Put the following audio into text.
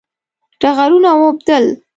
ټغرونه واوبدل